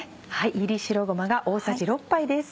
炒り白ごまが大さじ６杯です。